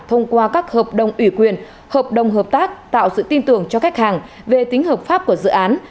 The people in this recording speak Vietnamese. thông qua các hợp đồng ủy quyền hợp đồng hợp tác tạo sự tin tưởng cho khách hàng về tính hợp pháp của dự án